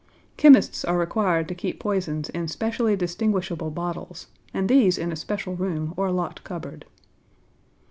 Chemists are required to keep poisons in specially distinguishable bottles, and these in a special room or locked cupboard.